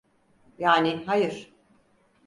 Yani hayır.